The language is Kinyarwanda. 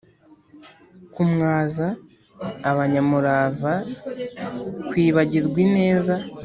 kumwaza abanyamurava, kwibagirwa ineza,